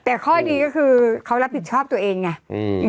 แต่ข้อดีก็คือเค้ารับผีชอบตัวเองไง